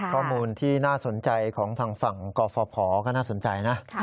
ข้อมูลที่น่าสนใจของทางฝั่งกฟภก็น่าสนใจนะ